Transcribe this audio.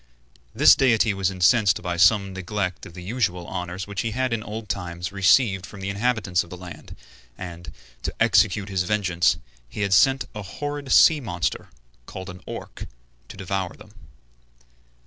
This deity was incensed by some neglect of the usual honors which he had in old times received from the inhabitants of the land, and, to execute his vengeance, had sent a horrid sea monster, called an Orc, to devour them.